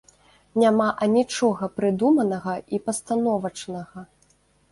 Няма анічога прыдуманага і пастановачнага.